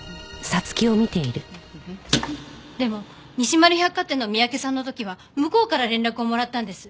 でも西丸百貨店の三宅さんの時は向こうから連絡をもらったんです。